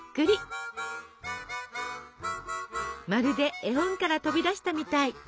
まるで絵本から飛び出したみたい。